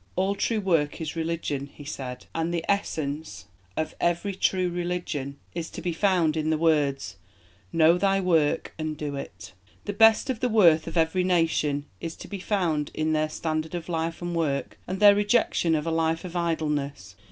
"All true work is religion," he said, and the essence of every true religion is to be found in the words, "Know thy work and do it." The best test of the worth of every nation is to be found in their standard of life and work and their rejection of a life of idleness.